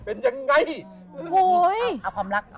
โอ้โหย